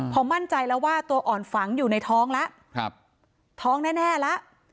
พอมั่นใจแล้วว่าตัวอ่อนฝังอยู่ในท้องแล้วท้องแน่แล้ว